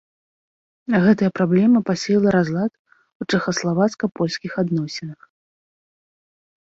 Гэта праблема пасеяла разлад у чэхаславацка-польскіх адносінах.